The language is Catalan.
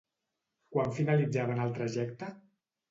Quan finalitzaven el trajecte?